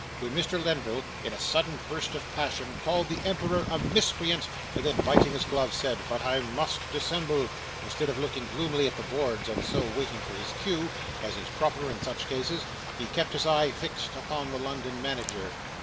When Mr. Lenville in a sudden burst of passion called the emperor a miscreant, and then biting his glove, said, 'But I must dissemble,' instead of looking gloomily at the boards and so waiting for his cue, as is proper in such cases, he kept his eye fixed upon the London manager.